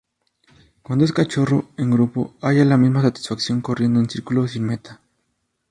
Cuando es cachorro, en grupo, halla la misma satisfacción corriendo en círculo, sin meta.